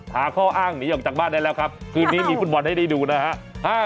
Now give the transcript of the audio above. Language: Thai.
หาข้ออ้างหนีออกจากบ้านได้แล้วครับคืนนี้มีฟุตบอลให้ได้ดูนะฮะ